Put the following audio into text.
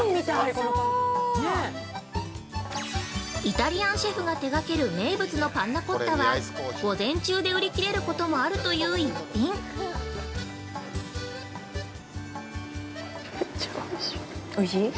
◆イタリアンシェフが手掛ける名物のパンナコッタは、午前中で売り切れることもあるという逸品！